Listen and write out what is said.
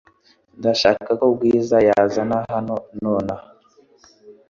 Ndashaka ko Bwiza yazana hano nonaha .